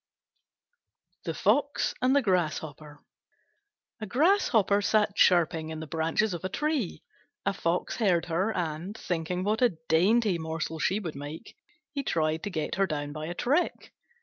THE FOX AND THE GRASSHOPPER A Grasshopper sat chirping in the branches of a tree. A Fox heard her, and, thinking what a dainty morsel she would make, he tried to get her down by a trick.